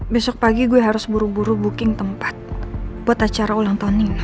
besok pagi gue harus buru buru booking tempat buat acara ulang tahun ini